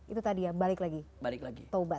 itu tadi ya balik lagi